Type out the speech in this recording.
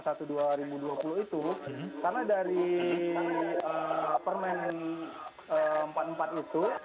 karena dari permen empat puluh empat itu